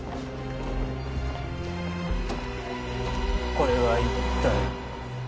これは一体？